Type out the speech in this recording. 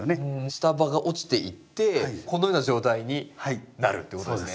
下葉が落ちていってこのような状態になるってことですね。